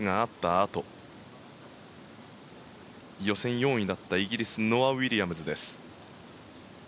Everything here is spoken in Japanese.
あと予選４位だったイギリスノア・ウィリアムズです。